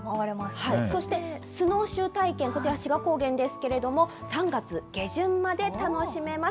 そして、スノーシュー体験、こちら志賀高原ですけれども、３月下旬まで楽しめます。